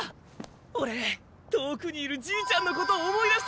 おれ遠くにいるじいちゃんのこと思い出した！